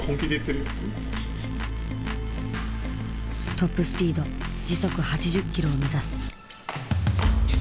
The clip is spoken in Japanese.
トップスピード時速８０キロを目指す。